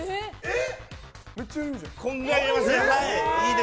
これぐらい入れます。